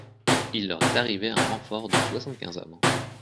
Il leur est arrivé un renfort de soixante-quinze hommes.